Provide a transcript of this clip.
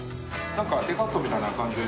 テイクアウトみたいな感じで。